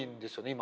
今。